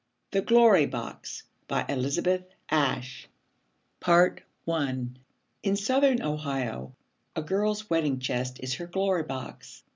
THE GLORY BOX BY ELIZABETH ASHE I In Southern Ohio a girl's wedding chest is her Glory Box.